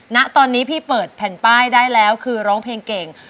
ณตอนนี้พี่เปิดแผ่นป้ายได้แล้วคือร้องเพลงเก่ง